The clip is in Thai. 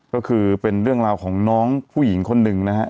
ก็คือเป็นเรื่องราวของน้องผู้หญิงคนหนึ่งนะฮะ